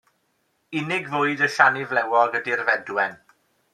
Unig fwyd y siani flewog ydy'r fedwen.